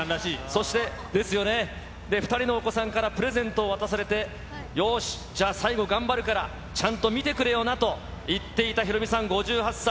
そして、２人のお子さんからプレゼントを渡されて、よし、じゃあ最後頑張るから、ちゃんと見てくれよなと言っていたヒロミさん５８歳。